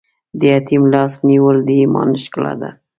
د یتیم لاس نیول د ایمان ښکلا ده.